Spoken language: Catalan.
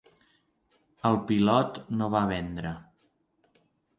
El pilot no va vendre.